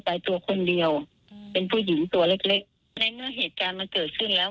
ตัวคนเดียวอืมเป็นผู้หญิงตัวเล็กเล็กในเมื่อเหตุการณ์มันเกิดขึ้นแล้ว